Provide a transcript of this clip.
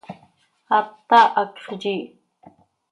Aata, hacx yiih.